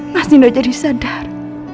mas nino jadi sadar